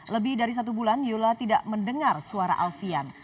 lebih dari satu bulan yula tidak mendengar suara alfian